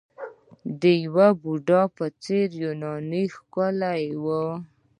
د بودا په څیره کې یوناني ښکلا وه